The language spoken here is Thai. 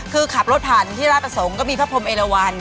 คือขับรถผ่านที่ราชประสงค์ก็มีพระพรมเอลวัน